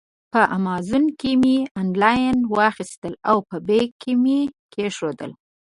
په امازان کې مې آنلاین واخیستل او په بیک کې مې کېښودل.